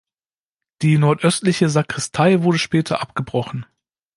Die nordöstliche Sakristei wurde später abgebrochen.